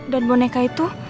dan boneka itu